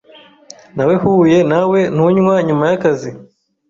Nawehuye nawe tunywa nyuma yakazi.